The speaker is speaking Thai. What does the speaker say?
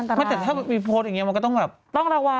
นั่นตรายถ้าโพสต์อย่างงี้ก็ต้องแบบต้องระวังนะ